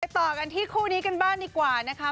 ต่อกันที่คู่นี้กันบ้างดีกว่านะคะ